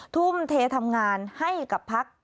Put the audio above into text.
ทุ่มเททำงานให้กับพัก